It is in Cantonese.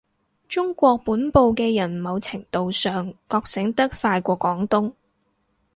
中國本部嘅人某程度上覺醒得快過廣東